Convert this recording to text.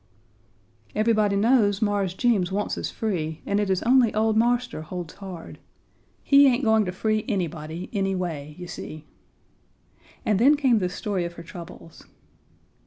"Everybody knows Mars Jeems wants us free, and it is only old Marster holds hard. He ain't going to free anybody any way, you see." And then came the story of her troubles.